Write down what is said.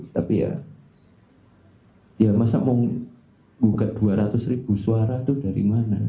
tapi ya masa mau gugat dua ratus ribu suara itu dari mana